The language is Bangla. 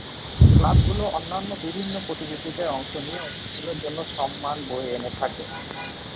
ক্লাবগুলো অন্যান্য বিভিন্ন প্রতিযোগীতায় অংশ নিয়েও স্কুলের জন্য সম্মান বয়ে এনে থাকে।